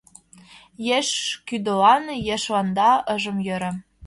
Еш кӱдылан ешланда ыжым йӧрӧ.